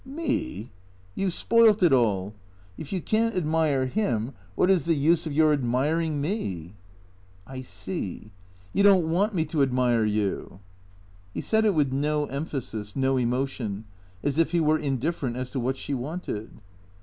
" Me ? You 've spoilt it all. If you can't admire him, what is the use of your admiring me ?"" I see. You don't want me to admire you." He said it with no emphasis, no emotion, as if he were indif ferent as to what she wanted.